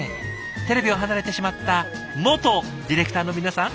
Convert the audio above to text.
テレビを離れてしまった元ディレクターの皆さん。